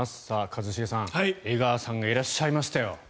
一茂さん、江川さんがいらっしゃいましたよ。